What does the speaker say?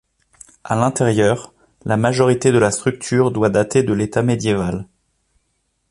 À l'intérieur, la majorité de la structure doit dater de l'état médiéval.